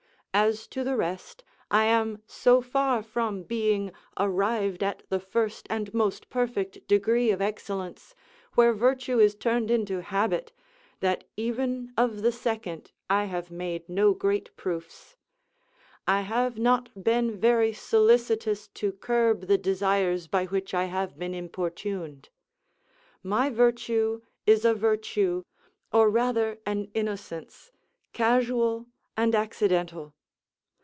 As to the rest, I am so far from being arrived at the first and most perfect degree of excellence, where virtue is turned into habit, that even of the second I have made no great proofs. I have not been very solicitous to curb the desires by which I have been importuned. My virtue is a virtue, or rather an innocence, casual and accidental.